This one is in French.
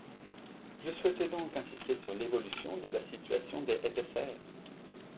Je souhaitais donc insister sur l’évolution de la situation des SSR.